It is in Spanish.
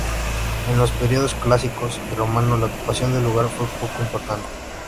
En los periodos clásico y romano la ocupación del lugar fue poco importante.